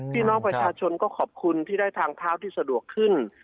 พี่น้องประชาชนก็ขอบคุณที่ได้ทางเท้าที่สะดวกขึ้น